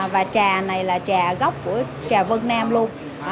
và trà này là trà gốc của trà vân nam luôn